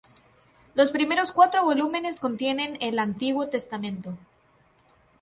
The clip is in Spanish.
Los primeros cuatro volúmenes contienen el "Antiguo Testamento".